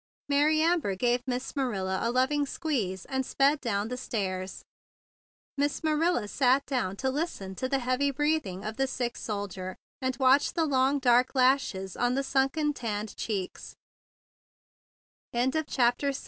Mary Amber gave Miss Marilla a loving squeeze, and sped down the stairs. Miss Marilla sat down to listen to the heavy breathing of the sick sol¬ dier, and watch the long, dark lashes on the sunken, ta